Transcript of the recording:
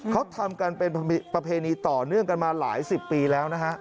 เขาทำกันเป็นประเพณีต่อเนื่องกันมาหลายสิบปีแล้วนะฮะ